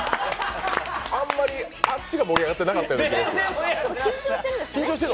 あんまり、あっちが盛り上がってなかったような気がする。